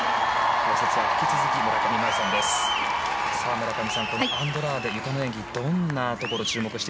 解説は引き続き村上茉愛さんです。